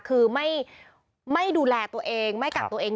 คือไม่ดูแลตัวเองไม่กักตัวเอง